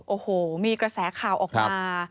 โอ้โหมีกระแสข่าวออกมา